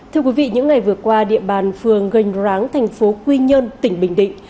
thưa quý vị những ngày vừa qua địa bàn phường gành ráng thành phố quy nhơn tỉnh bình định